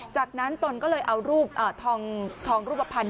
จากนั้นตนก็เลยเอารูปทองรูปภัณฑ์